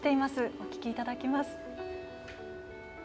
お聞きいただきます。